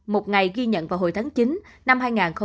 một ngày ghi nhận vào hồi tháng chín năm hai nghìn hai mươi ba